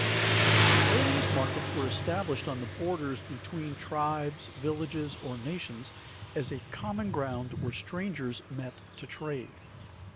_ The earliest markets were established on the borders between tribes, villages or nations as a common ground where strangers met to trade.